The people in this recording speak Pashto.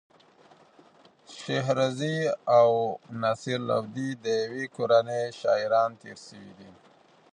شېخ رضي او نصر لودي د ېوې کورنۍ شاعران تېر سوي دي.